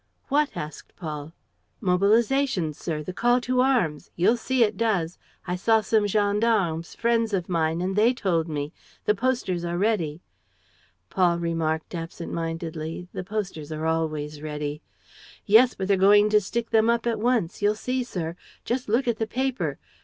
"What?" asked Paul. "Mobilization, sir, the call to arms. You'll see it does. I saw some gendarmes, friends of mine, and they told me. The posters are ready." Paul remarked, absent mindedly: "The posters are always ready." "Yes, but they're going to stick them up at once, you'll see, sir. Just look at the paper.